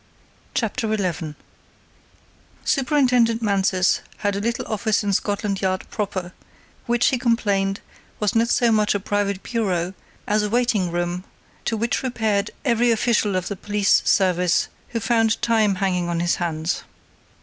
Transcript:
CHAPTER XI Superintendent Mansus had a little office in Scotland Yard proper, which, he complained, was not so much a private bureau, as a waiting room to which repaired every official of the police service who found time hanging on his hands.